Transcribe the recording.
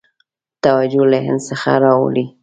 توجه له هند څخه واړوي.